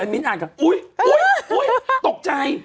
มิ้นท์อ่านอุ้ยตกใจ